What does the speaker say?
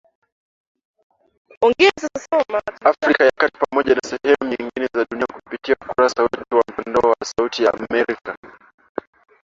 Afrika ya kati Pamoja na sehemu nyingine za dunia kupitia ukurasa wetu wa mtandao wa sauti ya America